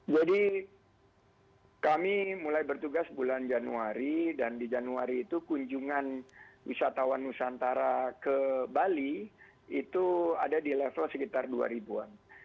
jadi kami mulai bertugas bulan januari dan di januari itu kunjungan wisatawan nusantara ke bali itu ada di level sekitar dua ribuan